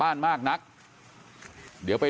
กลุ่มตัวเชียงใหม่